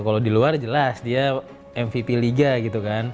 kalau di luar jelas dia mvp liga gitu kan